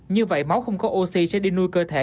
như vậy máu không có oxy sẽ đi nuôi cơ thể